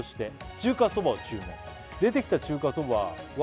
「中華そばを注文出てきた中華そばは」